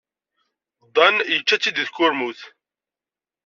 Dan yečča-tt-id deg tkurmut.